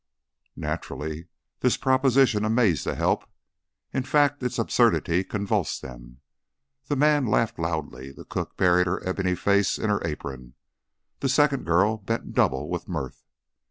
Naturally, this proposition amazed the "help"; in fact, its absurdity convulsed them. The man laughed loudly; the cook buried her ebony face in her apron; the second girl bent double with mirth.